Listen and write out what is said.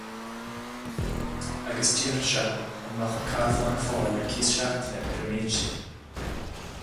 Agus d'fhiafraigh sé an mbeadh an carbhán ar fáil ar cíos seachtaine ar an méid sin.